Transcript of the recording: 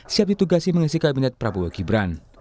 siap ditugasi mengisi kabinet prabowo gibran